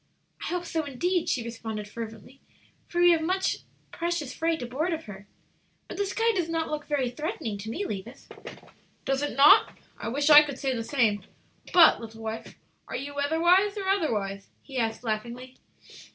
"I hope so, indeed," she responded, fervently, "for we have much precious freight aboard of her. But the sky does not look very threatening to me, Levis." "Does it not? I wish I could say the same. But, little wife, are you weatherwise or otherwise?" he asked, laughingly.